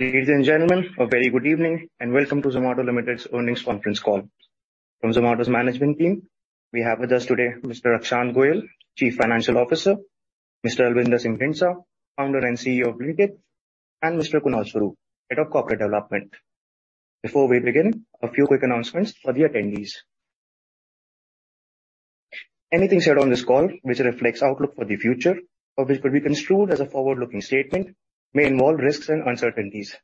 Ladies and gentlemen, a very good evening and welcome to Zomato Limited's earnings conference call. From Zomato's management team, we have with us today Mr. Akshant Goyal, Chief Financial Officer, Mr. Albinder Singh Dhindsa, Founder and CEO of Blinkit, and Mr. Kunal Swarup, Head of Corporate Development. Before we begin, a few quick announcements for the attendees. Anything said on this call which reflects outlook for the future or which could be construed as a forward-looking statement, may involve risks and uncertainties.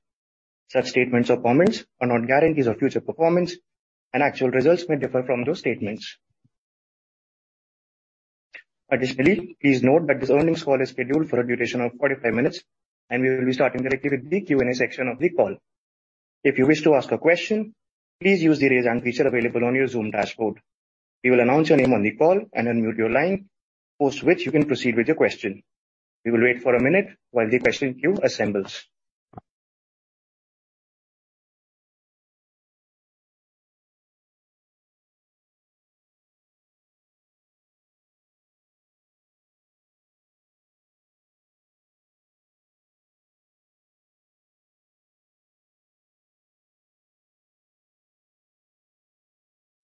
Such statements or comments are not guarantees of future performance, and actual results may differ from those statements. Additionally, please note that this earnings call is scheduled for a duration of 45 minutes, and we will be starting directly with the Q&A section of the call. If you wish to ask a question, please use the Raise Hand feature available on your Zoom dashboard. We will announce your name on the call and unmute your line, post which you can proceed with your question. We will wait for a minute while the question queue assembles.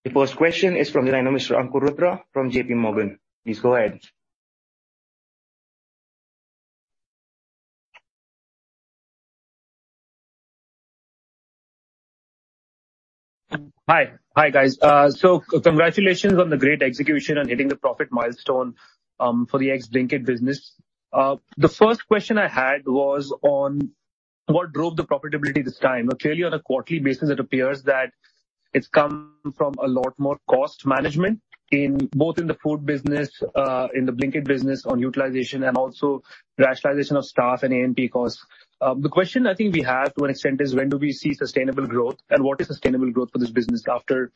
The first question is from the line of Mr. Ankur Rudra from J.P. Morgan. Please go ahead. Hi. Hi, guys. Congratulations on the great execution on hitting the profit milestone for the ex-Blinkit business. The first question I had was on what drove the profitability this time. Clearly, on a quarterly basis it appears that it's come from a lot more cost management both in the food business, in the Blinkit business on utilization and also rationalization of staff and AMP costs. The question I think we have to an extent is when do we see sustainable growth and what is sustainable growth for this business after,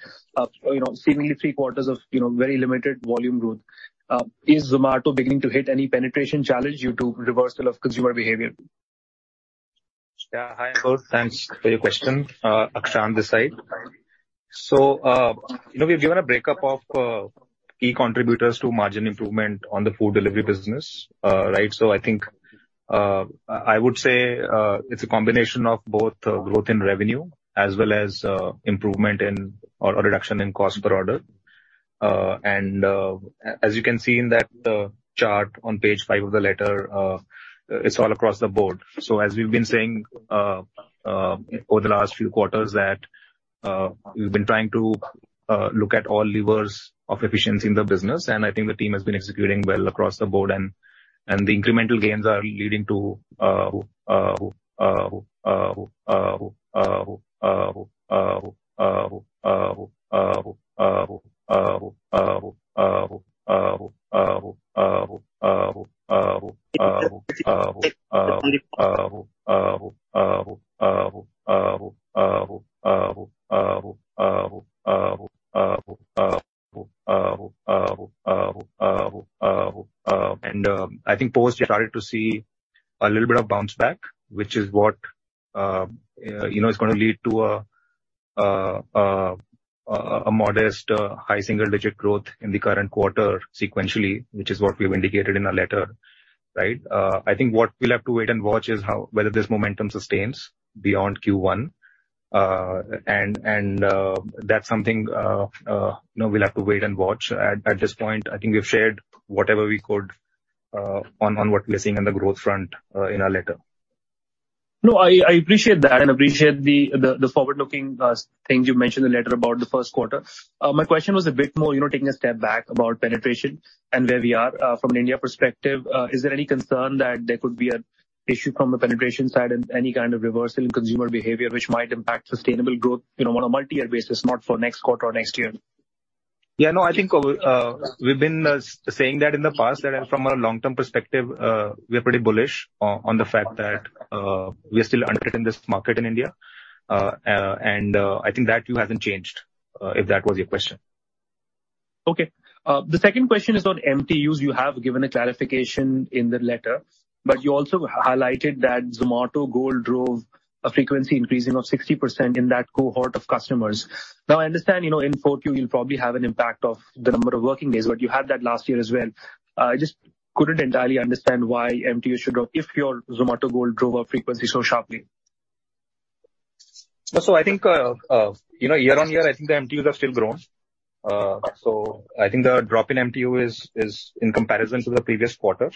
you know, seemingly three quarters of, you know, very limited volume growth? Is Zomato beginning to hit any penetration challenge due to reversal of consumer behavior? Yeah. Hi, Ankur. Thanks for your question. Akshant this side. You know, we've given a breakup of key contributors to margin improvement on the food delivery business. Right? I think I would say it's a combination of both growth in revenue as well as improvement in or reduction in cost per order. As you can see in that chart on page five of the letter, it's all across the board. As we've been saying over the last few quarters that we've been trying to look at all levers of efficiency in the business and I think the team has been executing well across the board. And the incremental gains are leading to I think post we started to see a little bit of bounce back, which is what, you know, is going to lead to a modest high single digit growth in the current quarter sequentially, which is what we've indicated in our letter, right? I think what we'll have to wait and watch is whether this momentum sustains beyond Q1. And that's something, you know, we'll have to wait and watch. At this point, I think we've shared whatever we could on what we're seeing on the growth front in our letter I appreciate that and appreciate the forward-looking things you've mentioned in the letter about the Q1. My question was a bit more, you know, taking a step back about penetration and where we are, from an India perspective. Is there any concern that there could be an issue from a penetration side and any kind of reversal in consumer behavior which might impact sustainable growth, you know, on a multi-year basis, not for next quarter or next year? Yeah. No, I think, we've been, saying that in the past that from a long-term perspective, we're pretty bullish on the fact that, we are still underpenetrated in this market in India. I think that view hasn't changed, if that was your question. Okay. The second question is on MTUs. You have given a clarification in the letter. You also highlighted that Zomato Gold drove a frequency increasing of 60% in that cohort of customers. Now, I understand, you know, in Q4 you'll probably have an impact of the number of working days. You had that last year as well. I just couldn't entirely understand why MTUs should drop if your Zomato Gold drove up frequency so sharply. I think, you know, year-on-year, I think the MTUs have still grown. I think the drop in MTU is in comparison to the previous quarter.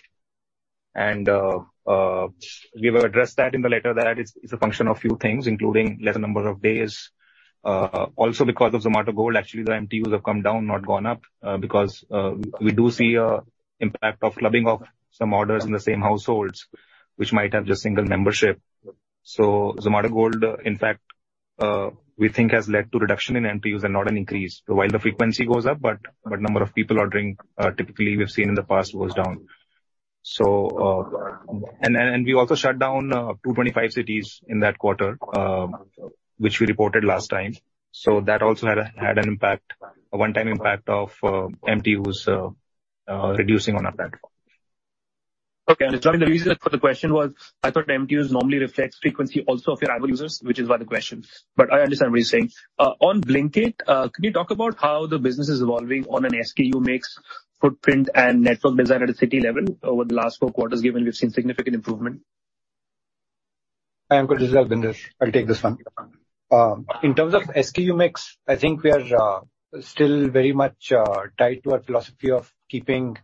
And we've addressed that in the letter that it's a function of few things, including lesser number of days. Also because of Zomato Gold, actually the MTUs have come down, not gone up, because we do see a impact of clubbing of some orders in the same households which might have just single membership. Zomato Gold, in fact, we think has led to reduction in MTUs and not an increase. While the frequency goes up, but number of people ordering, typically we've seen in the past goes down. We also shut down 225 cities in that quarter, which we reported last time. That also had an impact, a one-time impact of MTUs reducing on our platform. Okay. The reason for the question was I thought MTUs normally reflects frequency also of your average users, which is why the question. I understand what you're saying. On Blinkit, can you talk about how the business is evolving on an SKU mix, footprint and network design at a city level over the last four quarters, given we've seen significant improvement? Hi, Ankur, this is Albinder. I'll take this one. In terms of SKU mix, I think we are still very much tied to our philosophy of keeping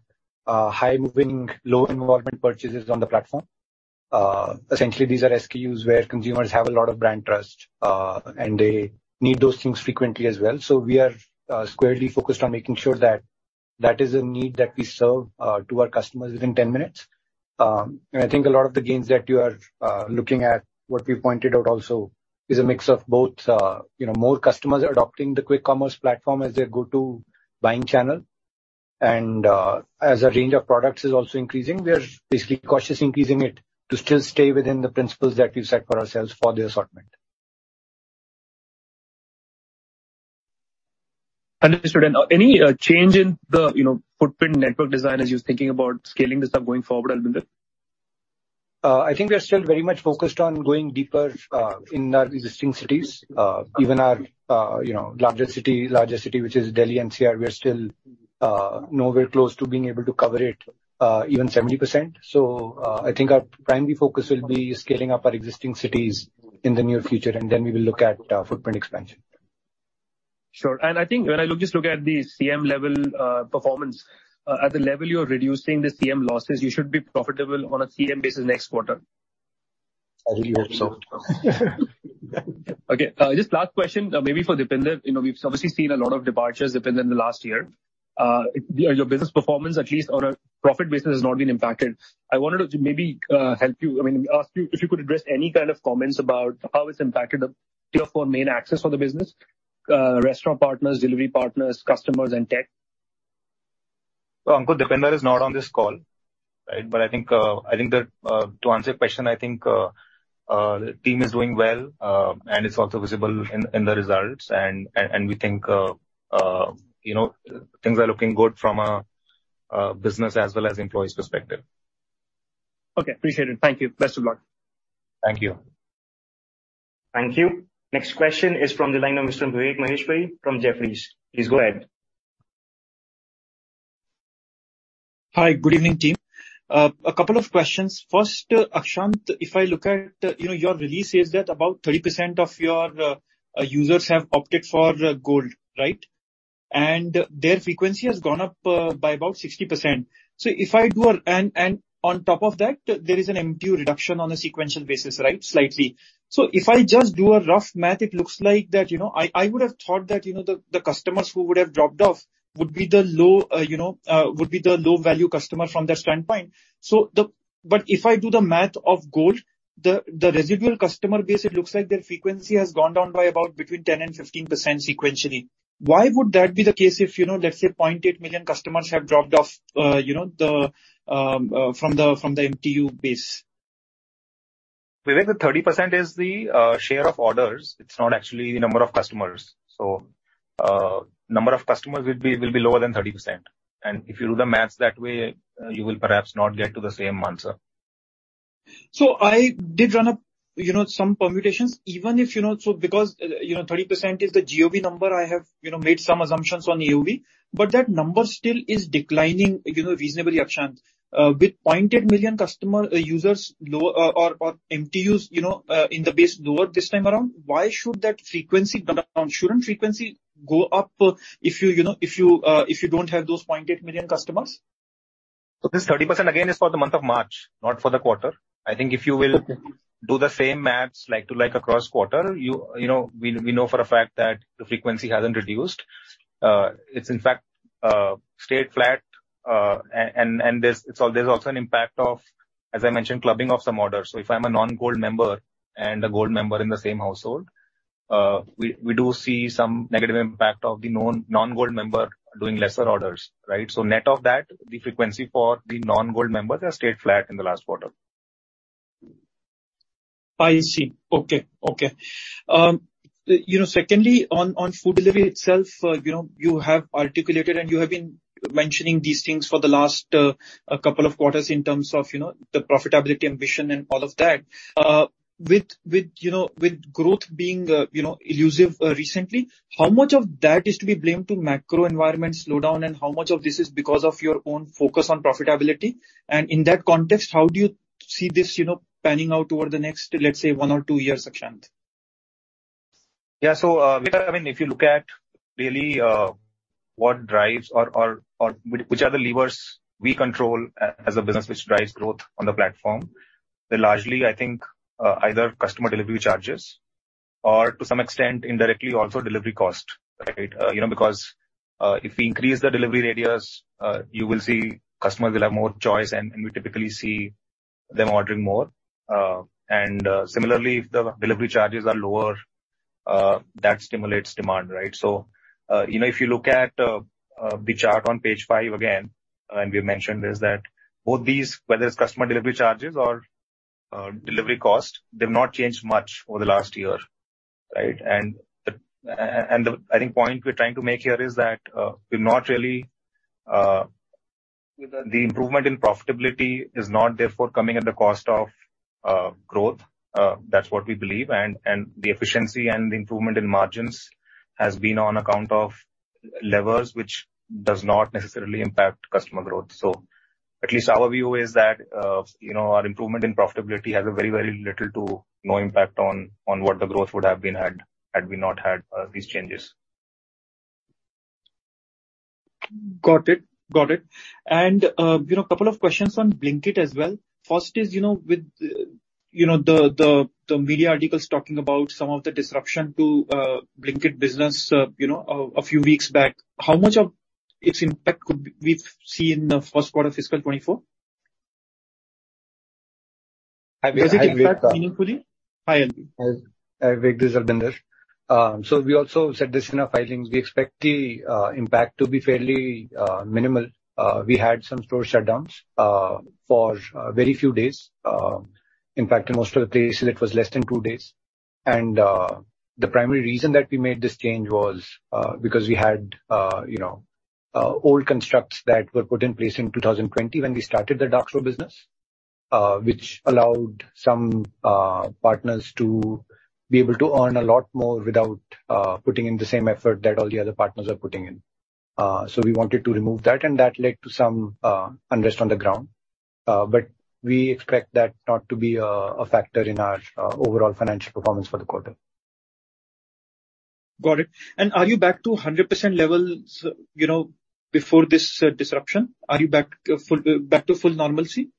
high moving, low involvement purchases on the platform. Essentially these are SKUs where consumers have a lot of brand trust and they need those things frequently as well. We are squarely focused on making sure that that is a need that we serve to our customers within ten minutes. I think a lot of the gains that you are looking at, what we pointed out also is a mix of both, you know, more customers adopting the quick commerce platform as their go-to buying channel and as a range of products is also increasing, we are basically cautiously increasing it to still stay within the principles that we've set for ourselves for the assortment. Understood. Any change in the, you know, footprint network design as you're thinking about scaling this up going forward, Albinder? I think we are still very much focused on going deeper in our existing cities. Even our, you know, larger city, which is Delhi NCR, we are still nowhere close to being able to cover it even 70%. I think our primary focus will be scaling up our existing cities in the near future, and then we will look at footprint expansion. Sure. I think when I just look at the CM level performance, at the level you're reducing the CM losses, you should be profitable on a CM basis next quarter. I really hope so. Okay. Just last question, maybe for Deepinder. You know, we've obviously seen a lot of departures, Deepinder, in the last year. Your business performance at least or profit business has not been impacted. I wanted to maybe, I mean, ask you if you could address any kind of comments about how it's impacted the Tier 4 main access for the business, restaurant partners, delivery partners, customers and tech. Well, Ankur, Deepinder is not on this call, right? I think, I think that, to answer your question, I think, the team is doing well, and it's also visible in the results. We think, you know, things are looking good from a, business as well as employees' perspective. Okay, appreciate it. Thank you. Best of luck. Thank you. Thank you. Next question is from the line of Mr. Vivek Maheshwari from Jefferies. Please go ahead. Hi, good evening, team. A couple of questions. First, Akshant, if I look at, you know, your release says that about 30% of your users have opted for gold, right? Their frequency has gone up by about 60%. On top of that there is an MPU reduction on a sequential basis, right? Slightly. If I just do a rough math, it looks like that, you know, I would have thought that, you know, the customers who would have dropped off would be the low, you know, would be the low-value customer from that standpoint. But if I do the math of gold, the residual customer base, it looks like their frequency has gone down by about between 10% and 15% sequentially. Why would that be the case if, you know, let's say 0.8 million customers have dropped off, you know, from the MTU base? Vivek, the 30% is the share of orders. It's not actually the number of customers. Number of customers will be lower than 30%. If you do the math that way, you will perhaps not get to the same answer. So I did run a, you know, some permutations, even if, you know, because, you know, 30% is the GOV number, I have, you know, made some assumptions on AOV. That number still is declining, you know, reasonably, Akshant. With 0.8 million customer, users low, or MTUs, you know, in the base lower this time around, why should that frequency come down? Shouldn't frequency go up if you know, if you don't have those 0.8 million customers? This 30% again is for the month of March, not for the quarter. I think if you will do the same maths like to like across quarter, you know, for a fact that the frequency hasn't reduced. It's in fact, stayed flat. There's also an impact of, as I mentioned, clubbing of some orders. If I'm a non-Gold member and a Gold member in the same household, we do see some negative impact of the known non-Gold member doing lesser orders, right? Net of that, the frequency for the non-Gold members has stayed flat in the last quarter. I see. Okay. Okay. You know, secondly, on food delivery itself, you know, you have articulated and you have been mentioning these things for the last couple of quarters in terms of, you know, the profitability ambition and all of that. With, you know, with growth being, you know, elusive, recently, how much of that is to be blamed to macro environment slowdown? How much of this is because of your own focus on profitability? In that context, how do you see this, you know, panning out over the next, let's say, 1 or 2 years, Akshant? Yeah. Vivek, I mean, if you look at really, what drives or which are the levers we control as a business which drives growth on the platform, they're largely, I think, either customer delivery charges or to some extent indirectly also delivery cost, right? You know, because if we increase the delivery radius, you will see customers will have more choice and we typically see them ordering more. Similarly, if the delivery charges are lower, that stimulates demand, right? You know, if you look at the chart on page five again, and we've mentioned this, that both these, whether it's customer delivery charges or delivery cost, they've not changed much over the last year, right? The, I think, point we're trying to make here is that, we're not really, the improvement in profitability is not therefore coming at the cost of, growth. That's what we believe. The efficiency and the improvement in margins has been on account of levers which does not necessarily impact customer growth. At least our view is that, you know, our improvement in profitability has a very, very little to no impact on what the growth would have been had we not had these changes. Got it. Got it. You know, a couple of questions on Blinkit as well. First is, you know, with, you know, the, the media articles talking about some of the disruption to Blinkit business, you know, a few weeks back, how much of its impact could we see in the first quarter of Fiscal Year 2024? Hi, Vivek. Was it impacted fully? Hi, Albinder. Hi, Vivek. This is Albinder. We also said this in our filings, we expect the impact to be fairly minimal. We had some store shutdowns for a very few days. In fact, in most of the cases it was less than two days. The primary reason that we made this change was because we had, you know, old constructs that were put in place in 2020 when we started the dark store business, which allowed some partners to be able to earn a lot more without putting in the same effort that all the other partners are putting in. We wanted to remove that, and that led to some unrest on the ground. We expect that not to be a factor in our overall financial performance for the quarter. Got it. Are you back to 100% levels, you know, before this disruption? Are you back to full normalcy?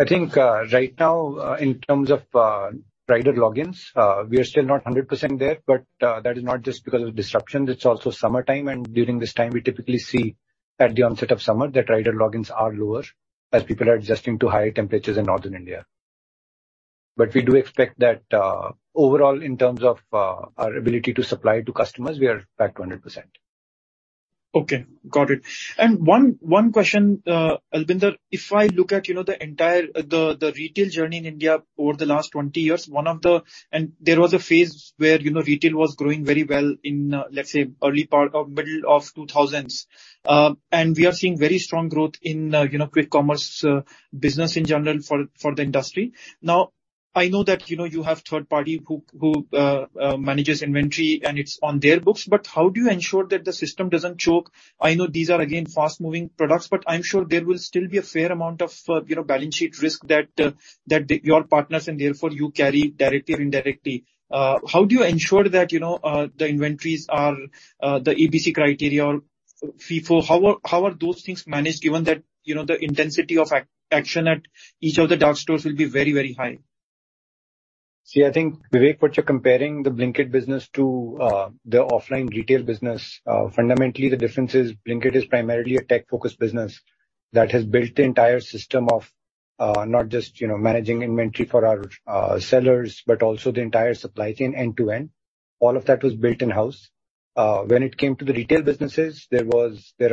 I think, right now, in terms of rider logins, we are still not 100% there, but that is not just because of disruption. It's also summertime, and during this time, we typically see at the onset of summer that rider logins are lower as people are adjusting to higher temperatures in Northern India. We do expect that, overall, in terms of our ability to supply to customers, we are back to 100%. Okay, got it. One question, Albinder. If I look at, you know, the retail journey in India over the last 20 years, one of the There was a phase where, you know, retail was growing very well in, let's say early part or middle of 2000s. We are seeing very strong growth in, you know, quick commerce business in general for the industry. Now, I know that, you know, you have third party who manages inventory and it's on their books, but how do you ensure that the system doesn't choke? I know these are again, fast-moving products, but I'm sure there will still be a fair amount of, you know, balance sheet risk that your partners and therefore you carry directly or indirectly. How do you ensure that, you know, the inventories are, the ABC criteria or FIFO? How are those things managed given that, you know, the intensity of action at each of the dark stores will be very, very high? See, I think, Vivek, what you're comparing the Blinkit business to, the offline retail business, fundamentally the difference is Blinkit is primarily a tech-focused business that has built the entire system of, not just, you know, managing inventory for our sellers, but also the entire supply chain end-to-end. All of that was built in-house. When it came to the retail businesses, there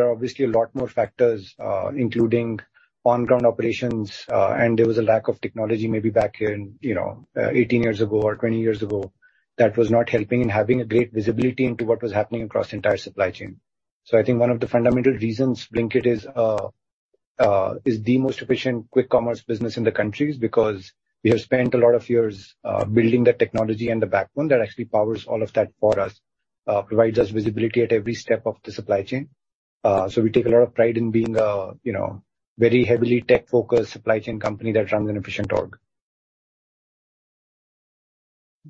are obviously a lot more factors, including on-ground operations. There was a lack of technology maybe back in, you know, 18 years ago or 20 years ago that was not helping in having a great visibility into what was happening across the entire supply chain. I think one of the fundamental reasons Blinkit is the most efficient quick commerce business in the country is because we have spent a lot of years building the technology and the backbone that actually powers all of that for us, provides us visibility at every step of the supply chain. We take a lot of pride in being a, you know, very heavily tech-focused supply chain company that runs an efficient org.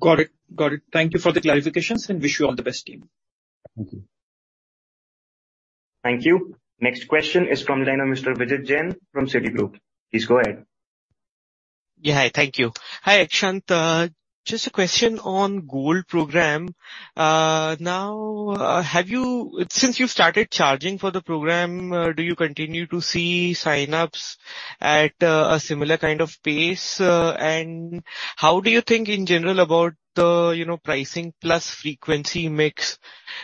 Got it. Got it. Thank you for the clarifications and wish you all the best, team. Thank you. Thank you. Next question is from the line of Mr. Vijit Jain from Citigroup. Please go ahead. Yeah. Hi. Thank you. Hi, Akshant. Just a question on Gold program. Now, since you started charging for the program, do you continue to see sign-ups at a similar kind of pace? How do you think in general about the, you know, pricing plus frequency mix?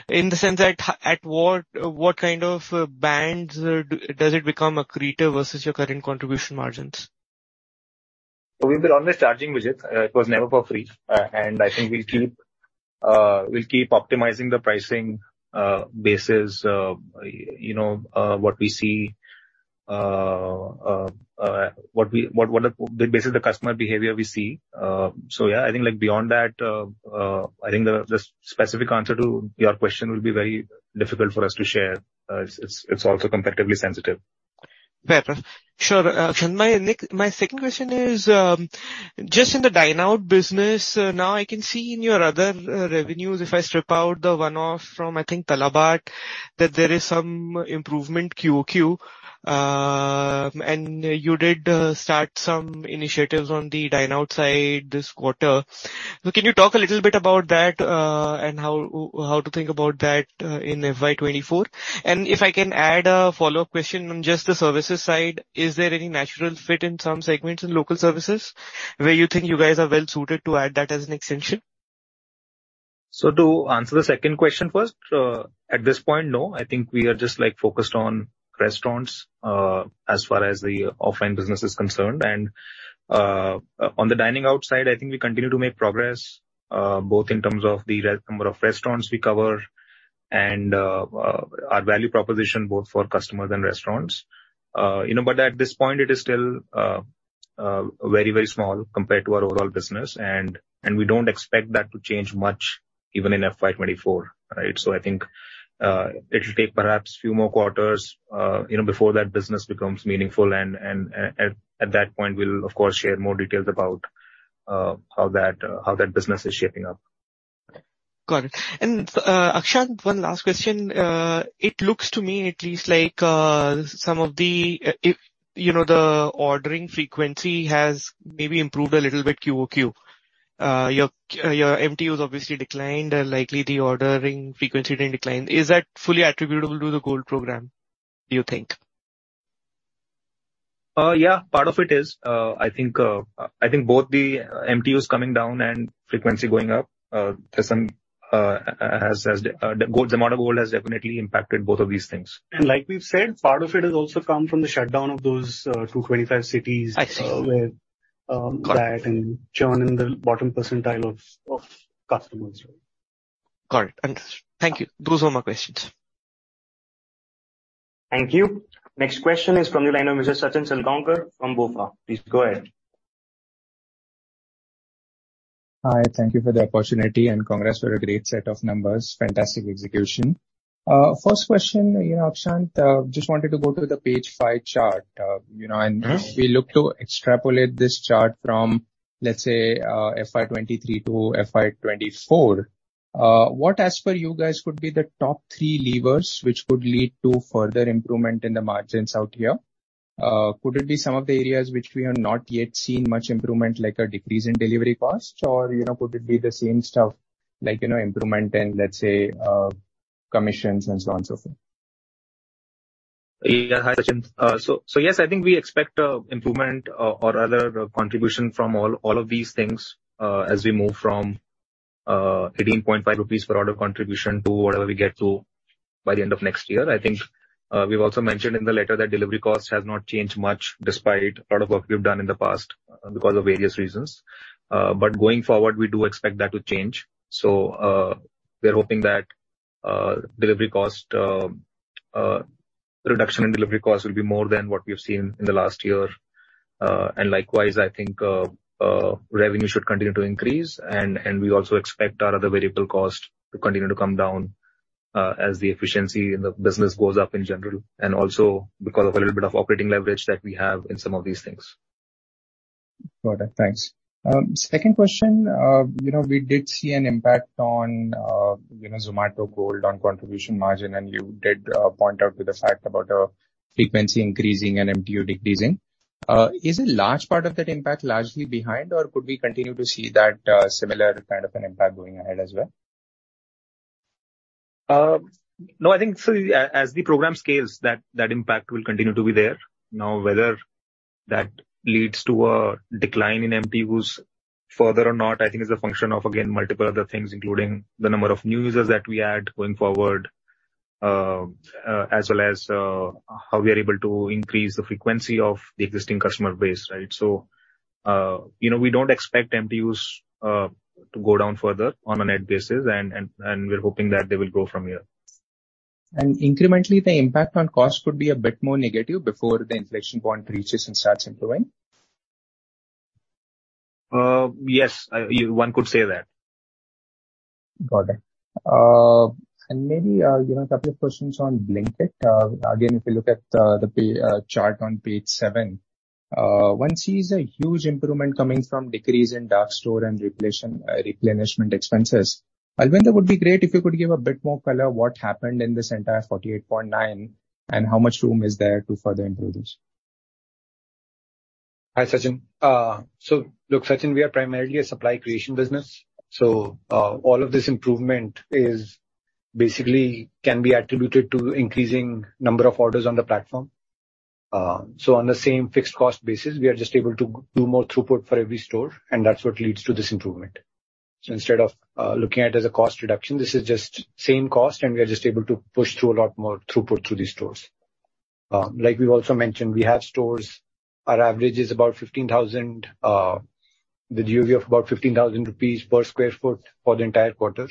In the sense that at what kind of bands does it become accretive versus your current contribution margins? We've been always charging, Vijit. It was never for free. I think we'll keep optimizing the pricing basis, you know, what we see, what are the basis the customer behavior we see. Yeah, I think like beyond that, I think the specific answer to your question will be very difficult for us to share. It's also competitively sensitive. Fair. Sure. My next, my second question is, just in the dine out business, now I can see in your other revenues if I strip out the one-off from, I think Talabat, that there is some improvement QoQ. You did start some initiatives on the dine outside this quarter. Can you talk a little bit about that, and how to think about that, in FY24? If I can add a follow-up question on just the services side, is there any natural fit in some segments in local services where you think you guys are well suited to add that as an extension? To answer the second question first, at this point, no. I think we are just, like, focused on restaurants, as far as the offline business is concerned. On the dining outside, I think we continue to make progress, both in terms of the number of restaurants we cover and our value proposition both for customers and restaurants. You know, at this point it is still. Very, very small compared to our overall business, and we don't expect that to change much even in FY24, right? I think it'll take perhaps few more quarters, you know, before that business becomes meaningful and at that point we'll of course share more details about how that how that business is shaping up. Got it. Akshant, one last question. It looks to me at least like, some of the, if, you know, the ordering frequency has maybe improved a little bit QoQ. Your, your MTUs obviously declined, likely the ordering frequency didn't decline. Is that fully attributable to the Gold program, do you think? Yeah, part of it is. I think, I think both the MTUs coming down and frequency going up, there's some, as Zomato Gold has definitely impacted both of these things. Like we've said, part of it has also come from the shutdown of those, 225 cities. I see. with Got it. -that and churn in the bottom percentile of customers. Got it. Understood. Thank you. Those are my questions. Thank you. Next question is from the line of Mr. Sachin Salgaonkar from BofA. Please go ahead. Hi, thank you for the opportunity, and congrats for a great set of numbers. Fantastic execution. First question, you know, Akshant, just wanted to go to the page five chart. Mm-hmm. We look to extrapolate this chart from, let's say, FY23 to FY24. What as per you guys could be the top three levers which could lead to further improvement in the margins out here? Could it be some of the areas which we have not yet seen much improvement, like a decrease in delivery cost? You know, could it be the same stuff like, you know, improvement in, let's say, commissions and so on and so forth? Yeah. Hi, Sachin. Yes, I think we expect improvement or, rather contribution from all of these things, as we move from 18.5 rupees per order contribution to whatever we get to by the end of next year. I think, we've also mentioned in the letter that delivery cost has not changed much despite a lot of work we've done in the past, because of various reasons. Going forward, we do expect that to change. We're hoping that delivery cost, the reduction in delivery cost will be more than what we've seen in the last year. Likewise, I think, revenue should continue to increase and we also expect our other variable cost to continue to come down, as the efficiency in the business goes up in general, and also because of a little bit of operating leverage that we have in some of these things. Got it. Thanks. Second question. You know, we did see an impact on, you know, Zomato Gold on contribution margin, and you did point out to the fact about frequency increasing and MTU decreasing. Is a large part of that impact largely behind, or could we continue to see that similar kind of an impact going ahead as well? No, I think as the program scales, that impact will continue to be there. Whether that leads to a decline in MTUs further or not, I think is a function of, again, multiple other things, including the number of new users that we add going forward, as well as how we are able to increase the frequency of the existing customer base, right? You know, we don't expect MTUs to go down further on a net basis and we're hoping that they will grow from here. Incrementally, the impact on cost could be a bit more negative before the inflection point reaches and starts improving? Yes. One could say that. Got it. Maybe, you know, a couple of questions on Blinkit. Again, if you look at, the chart on page seven, one sees a huge improvement coming from decrease in dark store and replenishment expenses. Albinder, that would be great if you could give a bit more color what happened in this entire 48.9, and how much room is there to further improve this? Hi, Sachin. Look, Sachin, we are primarily a supply creation business, all of this improvement is basically can be attributed to increasing number of orders on the platform. On the same fixed cost basis, we are just able to do more throughput for every store, and that's what leads to this improvement. Instead of looking at it as a cost reduction, this is just same cost and we are just able to push through a lot more throughput through these stores. Like we've also mentioned, we have stores, our average is about 15,000, the GOV of about 15,000 rupees per sq ft for the entire quarter.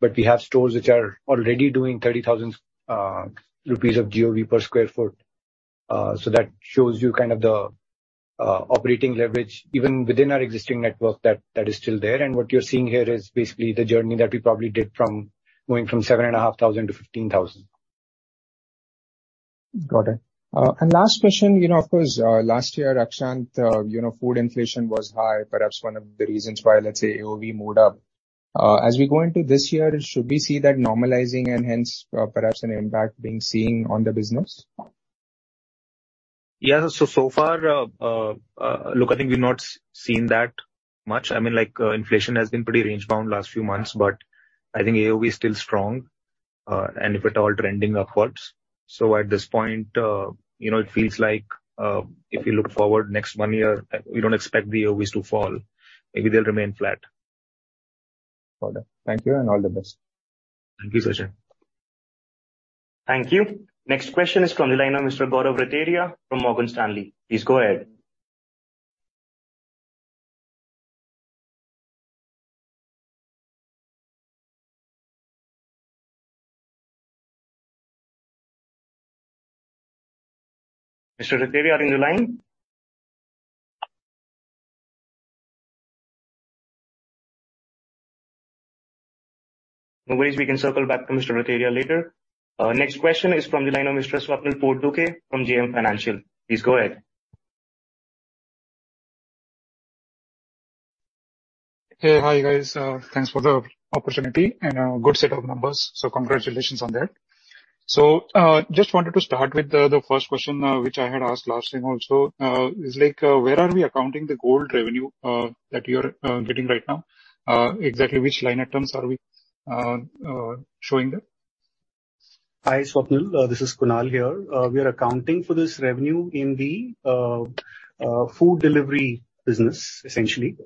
We have stores which are already doing 30,000 rupees of GOV per sq ft. That shows you kind of the operating leverage even within our existing network that is still there. What you're seeing here is basically the journey that we probably did from going from 7,500 to 15,000. Got it. Last question, you know, of course, last year, Akshant, you know, food inflation was high, perhaps one of the reasons why, let's say, AOV moved up. As we go into this year, should we see that normalizing and hence, perhaps an impact being seen on the business? Yeah. So far, look, I think we've not seen that much. I mean, like, inflation has been pretty range-bound last few months, but I think AOV is still strong, and if at all trending upwards. At this point, you know, it feels like, if you look forward next 1 year, we don't expect the AOVs to fall. Maybe they'll remain flat. Got it. Thank you, and all the best. Thank you, Sachin. Thank you. Next question is from the line of Mr. Gaurav Rateria from Morgan Stanley. Please go ahead. Mr. Rateria, are you in the line? No worries, we can circle back to Mr. Rateria later. Next question is from the line of Mr. Swapnil Potdukhe from JM Financial. Please go ahead. Hey. Hi, guys. Thanks for the opportunity and good set of numbers, so congratulations on that. Just wanted to start with the first question, which I had asked last time also. It's like, where are we accounting the Gold revenue that you're getting right now? Exactly which line items are we showing that? Hi, Swapnil. This is Kunal here. We are accounting for this revenue in the food delivery business essentially.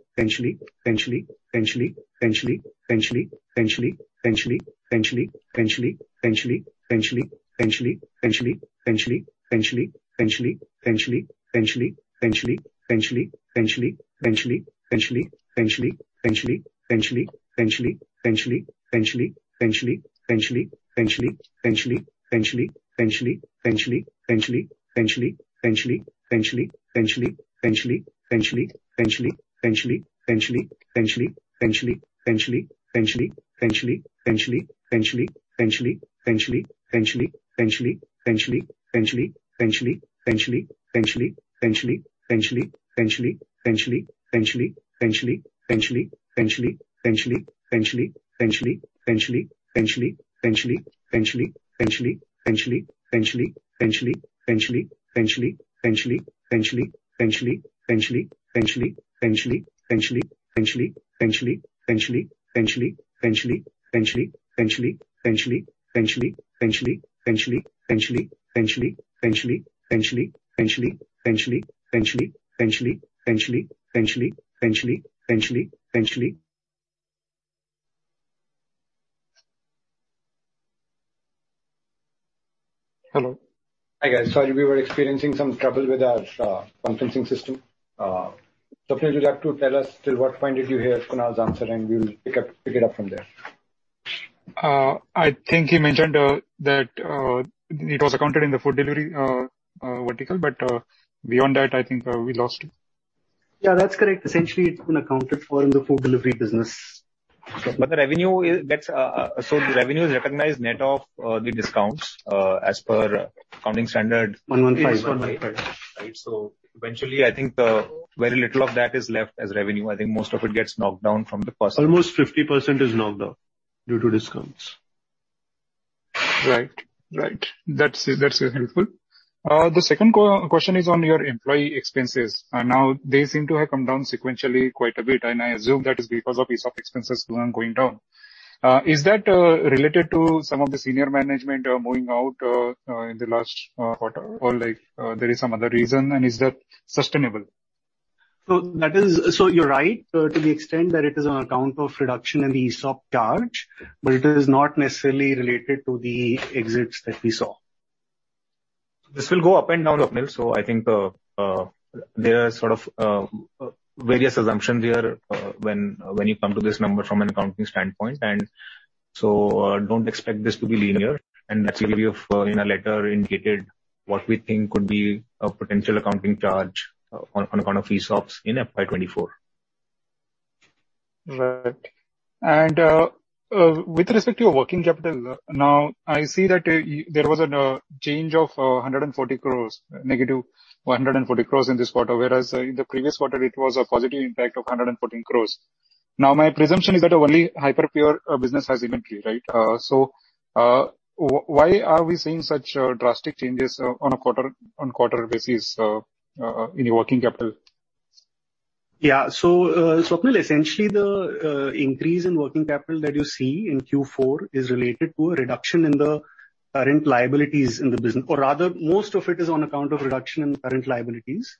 Hello? Hi, guys. Sorry, we were experiencing some trouble with our conferencing system. Swapnil, would you like to tell us till what point did you hear Kunal's answer, and we'll pick it up from there? I think he mentioned that it was accounted in the food delivery vertical. Beyond that, I think we lost it. Yeah, that's correct. Essentially, it's been accounted for in the food delivery business. The revenue is recognized net of the discounts, as per accounting standard, 115. Yes, 115. Right. eventually, I think, very little of that is left as revenue. I think most of it gets knocked down from the cost- Almost 50% is knocked down due to discounts. Right. Right. That's, that's helpful. The second question is on your employee expenses. Now, they seem to have come down sequentially quite a bit, and I assume that is because of ESOP expenses, too, going down. Is that related to some of the senior management moving out in the last quarter, or, like, there is some other reason, and is that sustainable? You're right, to the extent that it is on account of reduction in the ESOP charge, but it is not necessarily related to the exits that we saw. This will go up and down, Swapnil. I think there are sort of various assumptions here when you come to this number from an accounting standpoint. Don't expect this to be linear. That's the reason we've in our letter indicated what we think could be a potential accounting charge on account of ESOPs in FY24. Right. With respect to your working capital, now I see that there was a change of 140 crores, negative 140 crores in this quarter, whereas in the previous quarter it was a positive impact of 114 crores. My presumption is that only Hyperpure business has impacted, right? Why are we seeing such drastic changes on a quarter-on-quarter basis in your working capital? Yeah. Swapnil, essentially the increase in working capital that you see in Q4 is related to a reduction in the current liabilities in the business. Rather, most of it is on account of reduction in current liabilities.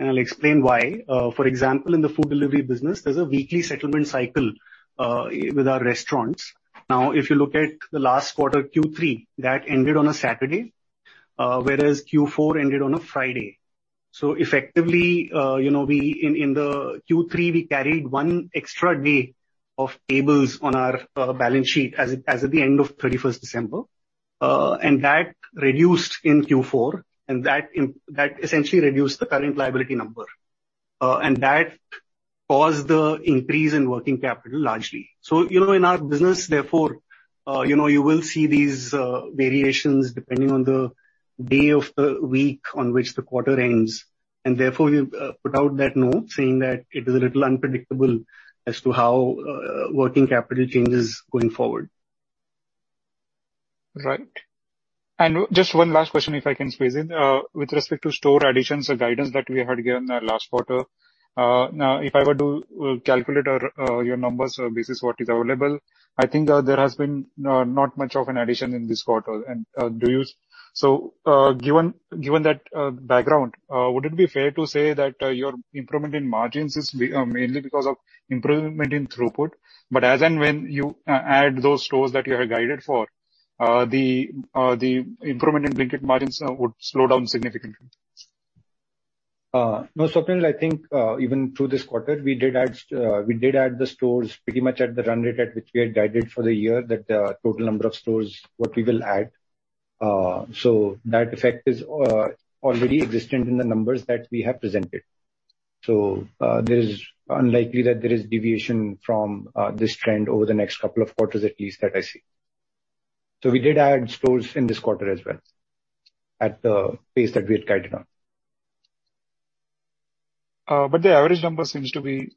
I'll explain why. For example, in the food delivery business, there's a weekly settlement cycle with our restaurants. If you look at the last quarter, Q3, that ended on a Saturday, whereas Q4 ended on a Friday. Effectively, you know, in the Q3, we carried one extra day of tables on our balance sheet as at the end of 31st December. That reduced in Q4. That essentially reduced the current liability number. That caused the increase in working capital largely. You know, in our business, therefore, you know, you will see these variations depending on the day of the week on which the quarter ends. Therefore we put out that note saying that it is a little unpredictable as to how working capital changes going forward. Right. Just one last question, if I can squeeze in. With respect to store additions or guidance that we had here in the last quarter, now, if I were to calculate your numbers basis what is available, I think, there has been not much of an addition in this quarter. Given that background, would it be fair to say that your improvement in margins is mainly because of improvement in throughput, but as and when you add those stores that you have guided for, the improvement in EBITDA margins would slow down significantly? No, Swapnil, I think, even through this quarter, we did add the stores pretty much at the run rate at which we had guided for the year, that the total number of stores what we will add. That effect is already existent in the numbers that we have presented. There's unlikely that there is deviation from this trend over the next couple of quarters at least that I see. We did add stores in this quarter as well at the pace that we had guided on. The average number seems to be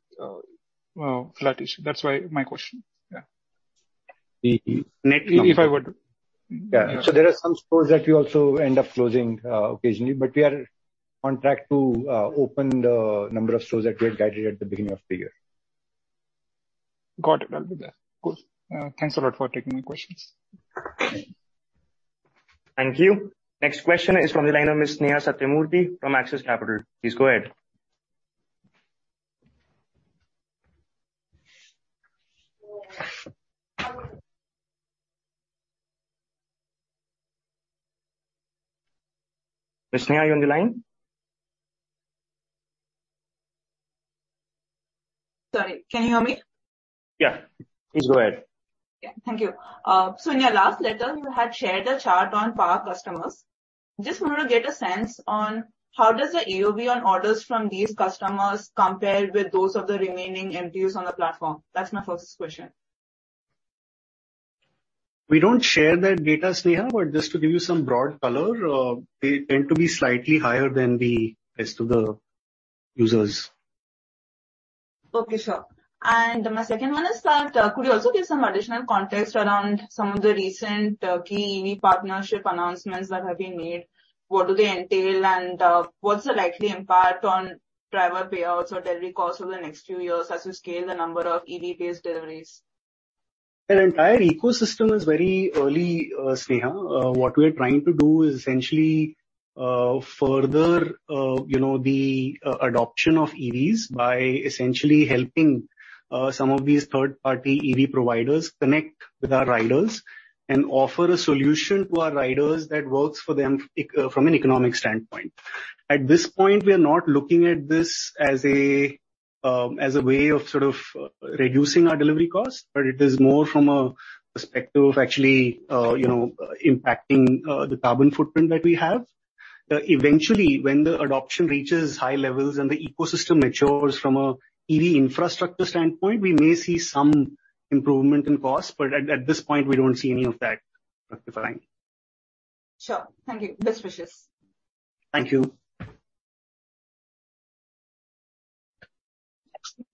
flattish. That's why my question. Yeah. The net. If I would. Yeah. There are some stores that we also end up closing occasionally, but we are on track to open the number of stores that we had guided at the beginning of the year. Got it. I'll be there. Cool. Thanks a lot for taking my questions. Thank you. Thank you. Next question is from the line of Ms. Neha Satyamurty from Axis Capital. Please go ahead. Ms. Neha, are you on the line? Sorry, can you hear me? Yeah. Please go ahead. Yeah. Thank you. In your last letter you had shared a chart on power customers. Just wanted to get a sense on how does the AOV on orders from these customers compare with those of the remaining MPUs on the platform? That's my first question. We don't share that data, Neha, but just to give you some broad color, they tend to be slightly higher than the rest of the users. Okay. Sure. My second one is that, could you also give some additional context around some of the recent key EV partnership announcements that have been made? What do they entail? What's the likely impact on driver payouts or delivery costs over the next few years as you scale the number of EV-based deliveries? The entire ecosystem is very early, Neha. What we're trying to do is essentially further, you know, the adoption of EVs by essentially helping some of these third-party EV providers connect with our riders and offer a solution to our riders that works for them from an economic standpoint. At this point, we are not looking at this as a way of sort of reducing our delivery cost, but it is more from a perspective of actually, you know, impacting the carbon footprint that we have. Eventually when the adoption reaches high levels and the ecosystem matures from a EV infrastructure standpoint, we may see some improvement in cost, but at this point we don't see any of that justifying. Sure. Thank you. Best wishes. Thank you.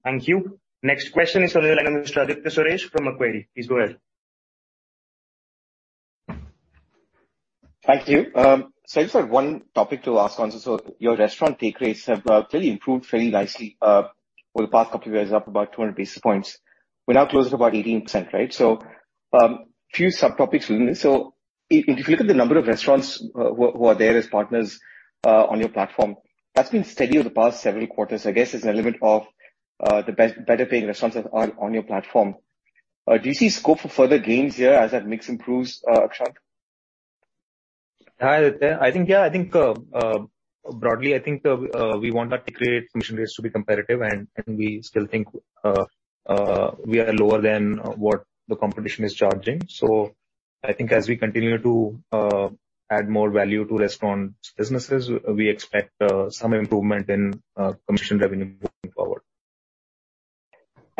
Thank you. Next question is on the line of Mr. Aditya Suresh from Macquarie. Please go ahead. Thank you. I just had one topic to ask on. Your restaurant take rates have clearly improved fairly nicely over the past couple of years, up about 200 basis points. We're now close to about 18%, right? A few subtopics within this. If you look at the number of restaurants who are there as partners on your platform, that's been steady over the past several quarters. I guess there's an element of the better paying restaurants that are on your platform. Do you see scope for further gains here as that mix improves, Akshant? Hi, Aditya. I think, yeah. I think broadly, I think we want our take rate commission rates to be competitive, and we still think we are lower than what the competition is charging. I think as we continue to add more value to restaurant businesses, we expect some improvement in commission revenue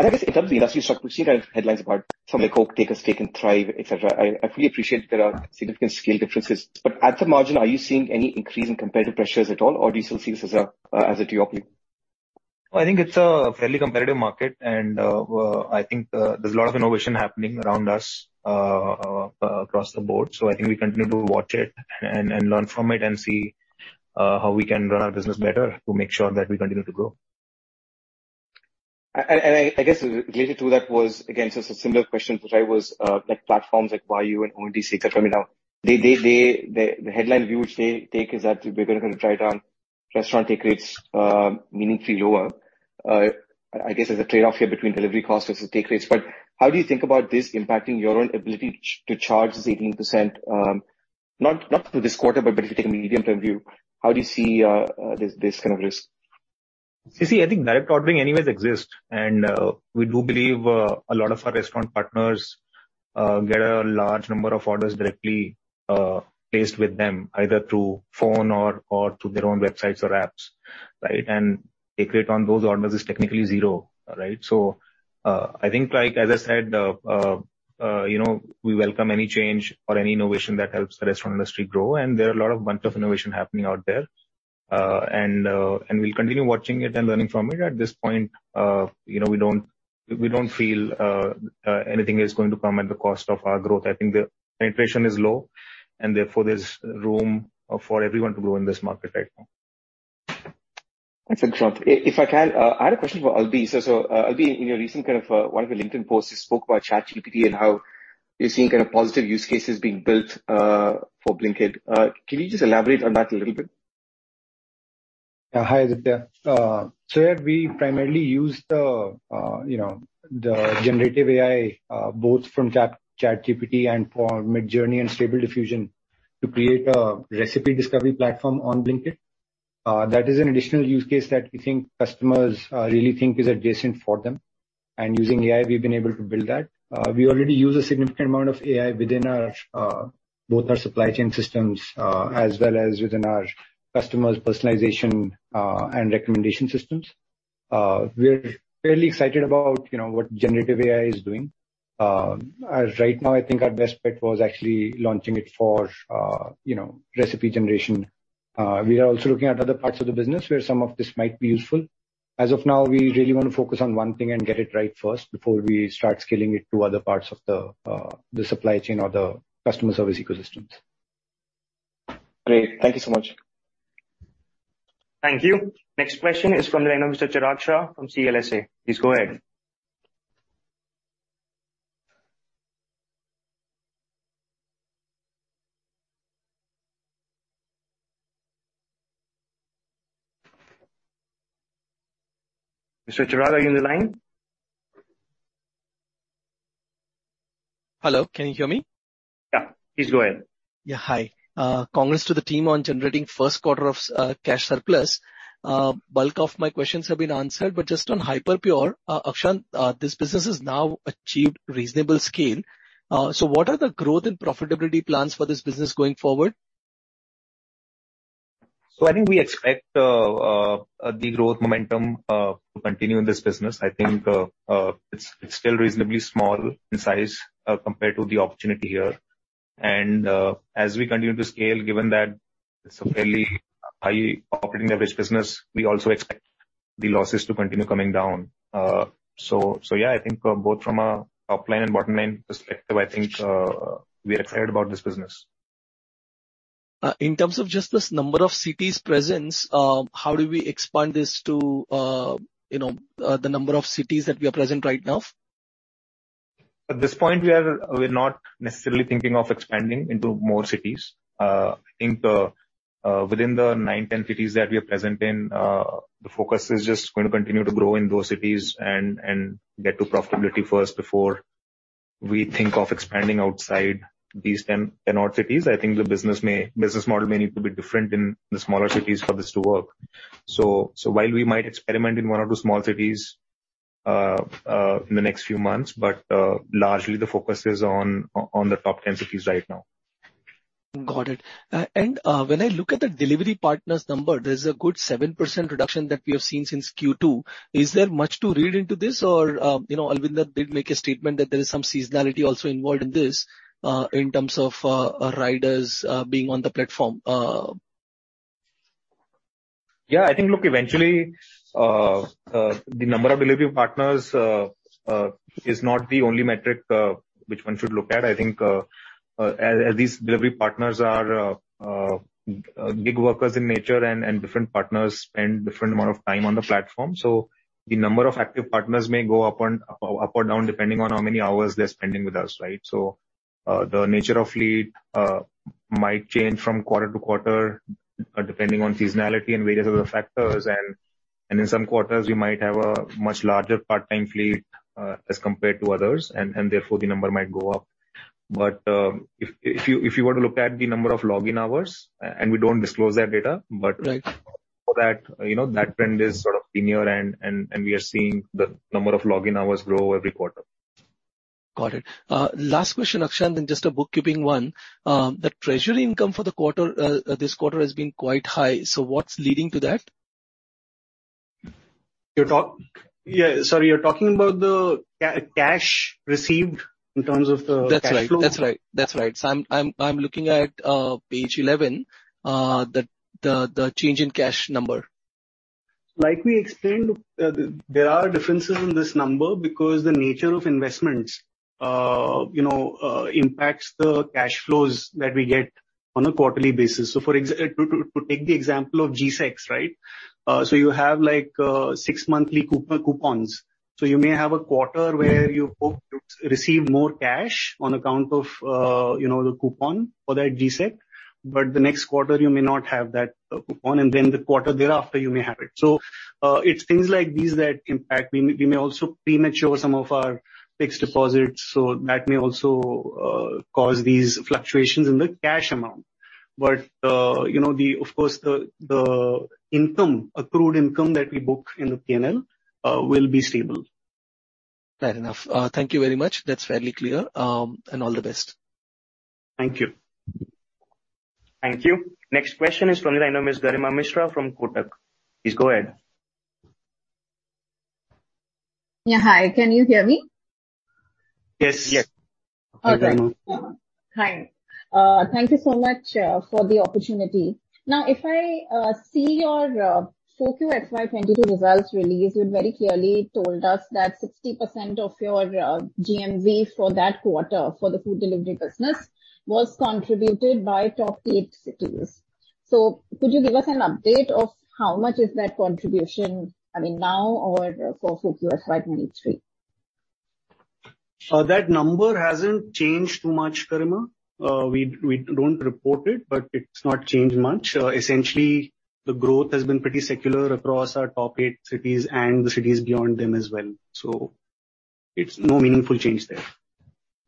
moving forward. I guess in terms of the industry structure, we've seen headlines about some like Coca-Cola take a stake in Thrive, et cetera. I fully appreciate there are significant scale differences, but at the margin, are you seeing any increase in competitive pressures at all, or do you still see this as a, as a to your view? I think it's a fairly competitive market and, I think, there's a lot of innovation happening around us, across the board. I think we continue to watch it and learn from it and see how we can run our business better to make sure that we continue to grow. I guess related to that was, again, just a similar question to Thrive was, like platforms like Baayu and ONDC that are coming out. They... the headline view which they take is that we're gonna try it on restaurant take rates, meaningfully lower. I guess there's a trade-off here between delivery costs versus take rates, but how do you think about this impacting your own ability to charge this 18%? Not through this quarter, but if you take a medium-term view, how do you see this kind of risk? You see, I think direct ordering anyway exists, and we do believe a lot of our restaurant partners get a large number of orders directly placed with them either through phone or through their own websites or apps, right? Take rate on those orders is technically 0, right? I think, like, as I said, you know, we welcome any change or any innovation that helps the restaurant industry grow and there are a lot of bunch of innovation happening out there, and we'll continue watching it and learning from it. At this point, you know, we don't feel anything is going to come at the cost of our growth. I think the penetration is low, and therefore there's room for everyone to grow in this market right now. Thanks, Akshant. If I can, I had a question for Albie. So Albie, in your recent kind of, one of your LinkedIn posts, you spoke about ChatGPT and how you're seeing kind of positive use cases being built, for Blinkit. Can you just elaborate on that a little bit? Yeah. Hi, Aditya. Yeah, we primarily use the, you know, the generative AI, both from ChatGPT and for Midjourney and Stable Diffusion to create a recipe discovery platform on Blinkit. That is an additional use case that we think customers really think is adjacent for them and using AI we've been able to build that. We already use a significant amount of AI within our both our supply chain systems as well as within our customers' personalization and recommendation systems. We're fairly excited about, you know, what generative AI is doing. As right now, I think our best bet was actually launching it for, you know, recipe generation. We are also looking at other parts of the business where some of this might be useful. As of now, we really wanna focus on one thing and get it right first before we start scaling it to other parts of the supply chain or the customer service ecosystems. Great. Thank you so much. Thank you. Next question is from the line of Mr. Chirag Shah from CLSA. Please go ahead. Mr. Chirag, are you on the line? Hello, can you hear me? Yeah. Please go ahead. Yeah, hi. Congrats to the team on generating first quarter of cash surplus. Bulk of my questions have been answered, but just on Hyperpure, Akshant, this business has now achieved reasonable scale. What are the growth and profitability plans for this business going forward? I think we expect the growth momentum to continue in this business. I think it's still reasonably small in size compared to the opportunity here. As we continue to scale, given that it's a fairly high operating leverage business, we also expect the losses to continue coming down. So yeah, I think both from a top-line and bottom-line perspective, I think we are excited about this business. In terms of just this number of cities presence, how do we expand this to, you know, the number of cities that we are present right now? At this point, we're not necessarily thinking of expanding into more cities. I think the within the 9, 10 cities that we are present in, the focus is just gonna continue to grow in those cities and get to profitability first before we think of expanding outside these 10 odd cities. I think the business model may need to be different in the smaller cities for this to work. While we might experiment in one or two small cities in the next few months, largely the focus is on the top 10 cities right now. Got it. When I look at the delivery partners number, there's a good 7% reduction that we have seen since Q2. Is there much to read into this or, you know, Albinder Singh Dhindsa that did make a statement that there is some seasonality also involved in this, in terms of riders being on the platform? I think, look, eventually, the number of delivery partners is not the only metric which one should look at. I think, as these delivery partners are gig workers in nature and different partners spend different amount of time on the platform. The number of active partners may go up or down depending on how many hours they're spending with us, right? The nature of fleet might change from quarter to quarter depending on seasonality and various other factors and in some quarters, we might have a much larger part-time fleet as compared to others and therefore the number might go up. If you were to look at the number of login hours, and we don't disclose that data, but-. Right. For that, you know, that trend is sort of linear and we are seeing the number of login hours grow every quarter. Got it. Last question, Akshat, and just a bookkeeping one. The treasury income for the quarter, this quarter has been quite high. What's leading to that? Yeah, sorry, you're talking about the cash received in terms of the cash flow? That's right. That's right. That's right. I'm looking at page 11, the change in cash number. Like we explained, there are differences in this number because the nature of investments, you know, impacts the cash flows that we get on a quarterly basis. To take the example of GSEC, right? You have like six monthly coupons. You may have a quarter where you hope to receive more cash on account of, you know, the coupon for that GSEC, but the next quarter you may not have that coupon, and then the quarter thereafter, you may have it. It's things like these that impact. We may also premature some of our fixed deposits, so that may also cause these fluctuations in the cash amount. You know, of course, the income, accrued income that we book in the P&L will be stable. Fair enough. Thank you very much. That's fairly clear. All the best. Thank you. Thank you. Next question is from the line of Ms. Garima Mishra from Kotak. Please go ahead. Yeah. Hi, can you hear me? Yes. Yes. Okay. Garima. Hi. Thank you so much for the opportunity. If I see your 4 QFY22 results release, you very clearly told us that 60% of your GMV for that quarter for the food delivery business was contributed by top eight cities. Could you give us an update of how much is that contribution, I mean now or for 4 QFY23? That number hasn't changed too much, Garima. We don't report it, but it's not changed much. Essentially, the growth has been pretty secular across our top eight cities and the cities beyond them as well. It's no meaningful change there.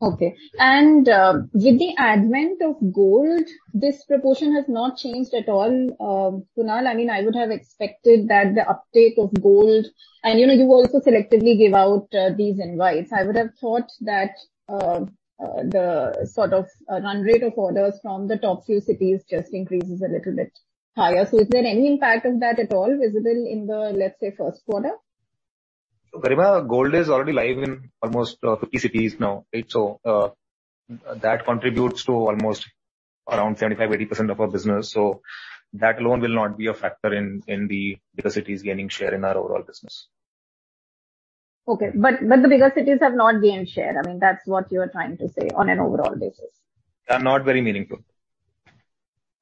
Okay. With the advent of Gold, this proportion has not changed at all, Kunal. I mean, I would have expected that the uptake of Gold... you know, you also selectively give out these invites. I would have thought that the sort of run rate of orders from the top few cities just increases a little bit higher. Is there any impact of that at all visible in the, let's say, first quarter? Garima, Gold is already live in almost 50 cities now. Right? That contributes to almost around 75%, 80% of our business. That alone will not be a factor in the bigger cities gaining share in our overall business. Okay. The bigger cities have not gained share. I mean, that's what you are trying to say on an overall basis? They are not very meaningful.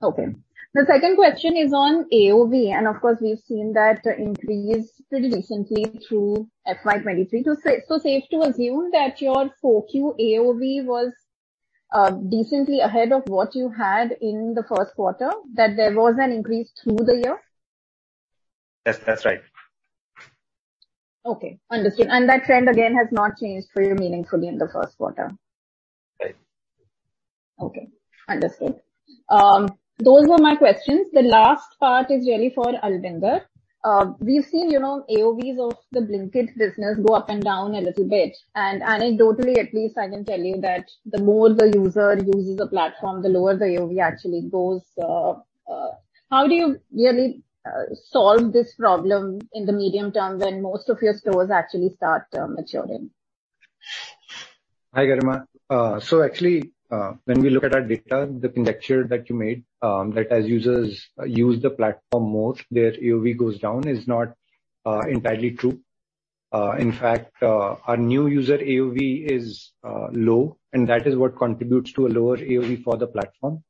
Okay. The second question is on AOV, and of course, we've seen that increase pretty recently through FY23. It's safe to assume that your 4Q AOV was decently ahead of what you had in the first quarter, that there was an increase through the year? Yes, that's right. Okay. Understood. That trend again has not changed for you meaningfully in the first quarter? Right. Okay. Understood. Those were my questions. The last part is really for Albinder. We've seen, you know, AOVs of the Blinkit business go up and down a little bit. Anecdotally at least, I can tell you that the more the user uses a platform, the lower the AOV actually goes. How do you really solve this problem in the medium term when most of your stores actually start maturing? Hi, Garima. Actually, when we look at our data, the conjecture that you made, that as users use the platform more, their AOV goes down is not entirely true. In fact, our new user AOV is low, and that is what contributes to a lower AOV for the platform.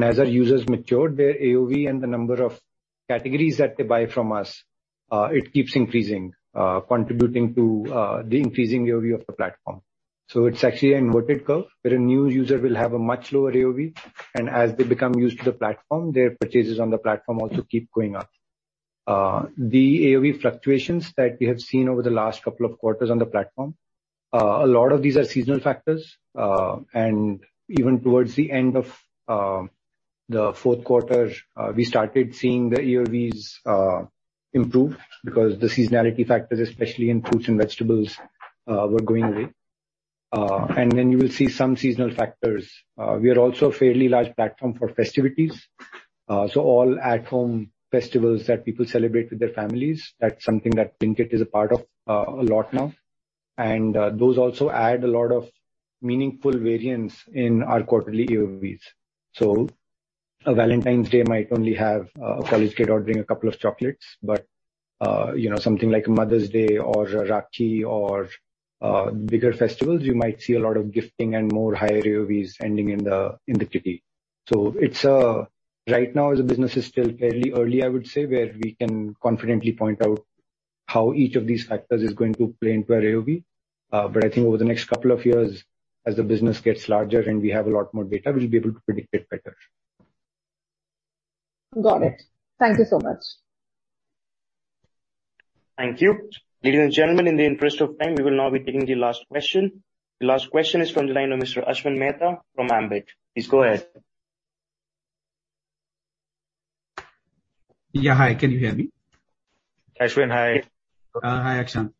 As our users mature, their AOV and the number of categories that they buy from us, it keeps increasing, contributing to the increasing AOV of the platform. It's actually an inverted curve, where a new user will have a much lower AOV, and as they become used to the platform, their purchases on the platform also keep going up. The AOV fluctuations that we have seen over the last couple of quarters on the platform, a lot of these are seasonal factors. Even towards the end of the fourth quarter, we started seeing the AOVs improve because the seasonality factors, especially in fruits and vegetables, were going away. Then you will see some seasonal factors. We are also a fairly large platform for festivities. All at home festivals that people celebrate with their families, that's something that Blinkit is a part of a lot now. Those also add a lot of meaningful variance in our quarterly AOVs. A Valentine's Day might only have a college kid ordering a couple of chocolates, but you know, something like Mother's Day or Rakhi or bigger festivals, you might see a lot of gifting and more higher AOVs ending in the kitty. It's right now the business is still fairly early, I would say, where we can confidently point out how each of these factors is going to play into our AOV. I think over the next couple of years, as the business gets larger and we have a lot more data, we'll be able to predict it better. Got it. Thank you so much. Thank you. Ladies and gentlemen, in the interest of time, we will now be taking the last question. The last question is from the line of Mr. Ashwin Mehta from Ambit. Please go ahead. Yeah. Hi. Can you hear me? Ashwin, hi. Hi, Akshant.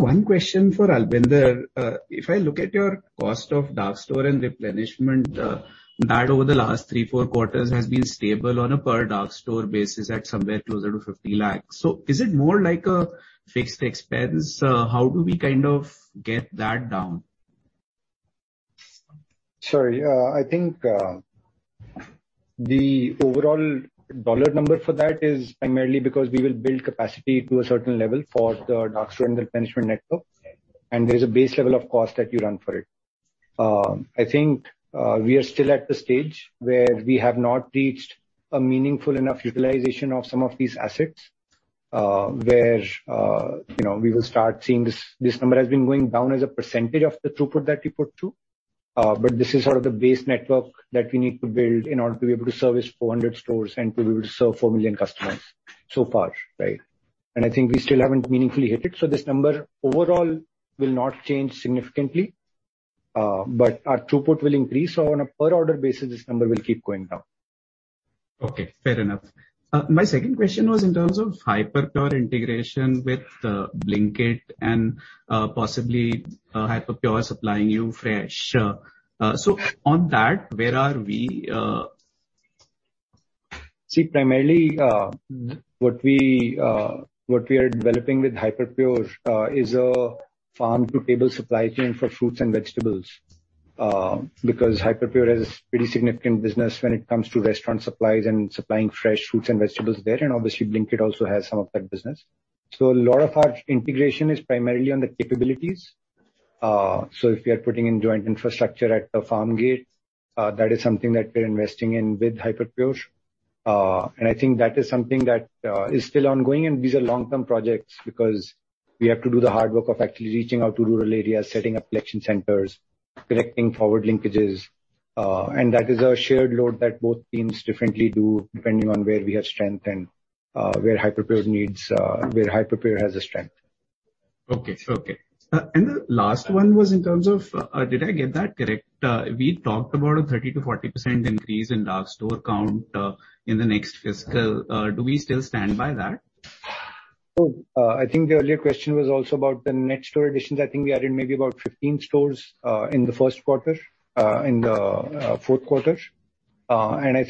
One question for Albinder. If I look at your cost of dark store and replenishment, that over the last three, four quarters has been stable on a per dark store basis at somewhere closer to 50 lakhs. Is it more like a fixed expense? How do we kind of get that down? Sorry. I think the overall dollar number for that is primarily because we will build capacity to a certain level for the dark store and replenishment network, and there's a base level of cost that you run for it. I think we are still at the stage where we have not reached a meaningful enough utilization of some of these assets, where, you know, we will start seeing this number has been going down as a percentage of the throughput that we put through. But this is sort of the base network that we need to build in order to be able to service 400 stores and to be able to serve 4 million customers so far. Right? I think we still haven't meaningfully hit it. This number overall will not change significantly, but our throughput will increase. On a per order basis, this number will keep going down. Okay. Fair enough. My second question was in terms of Hyperpure integration with Blinkit and possibly Hyperpure supplying you fresh. On that, where are we? Primarily, what we are developing with Hyperpure, is a farm-to-table supply chain for fruits and vegetables. Hyperpure has pretty significant business when it comes to restaurant supplies and supplying fresh fruits and vegetables there, and obviously Blinkit also has some of that business. A lot of our integration is primarily on the capabilities. If we are putting in joint infrastructure at the farm gate, that is something that we're investing in with Hyperpure. I think that is something that is still ongoing, and these are long-term projects because we have to do the hard work of actually reaching out to rural areas, setting up collection centers, connecting forward linkages, and that is a shared load that both teams differently do depending on where we have strength and where Hyperpure needs where Hyperpure has a strength. Okay. Okay. The last one was in terms of, did I get that correct? We talked about a 30% to 40% increase in dark store count, in the next fiscal. Do we still stand by that? I think the earlier question was also about the net store additions. I think we added maybe about 15 stores in the fourth quarter. I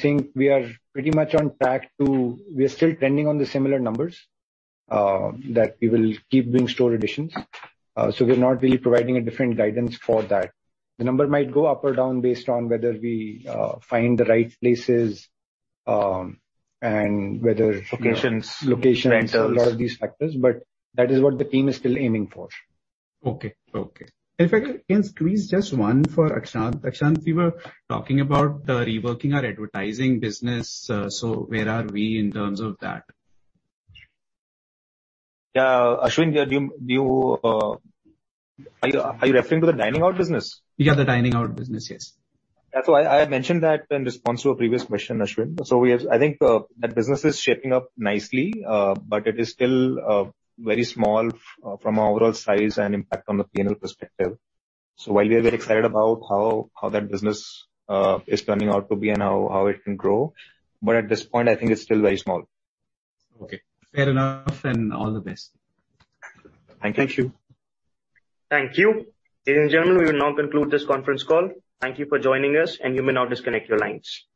think we are pretty much on track to. We are still planning on the similar numbers that we will keep doing store additions. We're not really providing a different guidance for that. The number might go up or down based on whether we find the right places and whether. Locations. Locations. Rentals. A lot of these factors, but that is what the team is still aiming for. Okay. If I can squeeze just one for Akshant. Akshant, we were talking about reworking our advertising business, where are we in terms of that? Yeah. Ashwin, are you referring to the dining out business? Yeah, the dining out business. Yes. That's why I mentioned that in response to a previous question, Ashwin. I think, that business is shaping up nicely, but it is still very small from our overall size and impact from the P&L perspective. While we are very excited about how that business is turning out to be and how it can grow, but at this point, I think it's still very small. Okay. Fair enough, and all the best. Thank you. Thank you. Thank you. Ladies and gentlemen, we will now conclude this conference call. Thank you for joining us. You may now disconnect your lines.